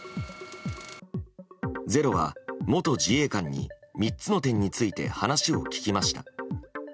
「ｚｅｒｏ」は元自衛官に３つの点について話を聞きました。